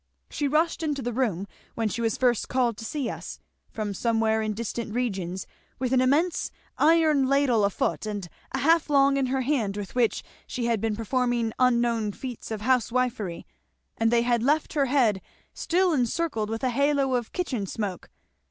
She rushed into the room when she was first called to see us, from somewhere in distant regions, with an immense iron ladle a foot and a half long in her hand with which she had been performing unknown feats of housewifery; and they had left her head still encircled with a halo of kitchen smoke.